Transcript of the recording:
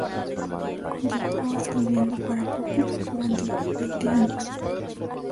Continuó escribiendo para Pocket durante veinte años.